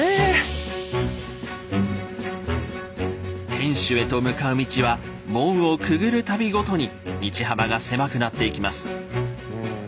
天守へと向かう道は門をくぐる度ごとに道幅が狭くなっていきます。